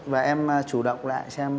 và em chủ động lại xem